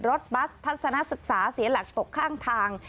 รถบัสทัศนศึกษาเสียหลักตกข้างทาง